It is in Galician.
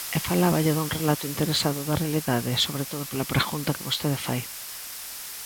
E faláballe dun relato interesado da realidade, sobre todo, pola pregunta que vostede fai.